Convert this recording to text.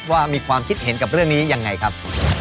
ว่ามีความคิดเห็นกับเรื่องนี้ยังไงครับ